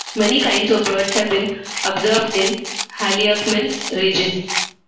Many kinds of birds have been observed in Haliakmon's region.